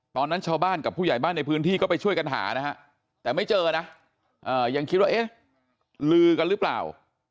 ตอนนั้นชาวบ้านกับผู้ใหญ่บ้านในพื้นที่ก็ไปช่วยกันหานะฮะแต่ไม่เจอนะยังคิดว่าเอ๊ะลือกันหรือเปล่า